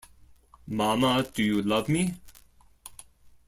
Mama, Do You Love Me?